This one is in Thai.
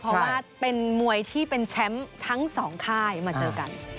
เพราะว่าเป็นมวยที่เป็นแชมป์ทั้งสองค่ายมาเจอกัน